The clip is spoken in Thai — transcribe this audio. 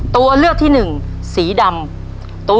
ตัวเลือกที่หนึ่งสีดำ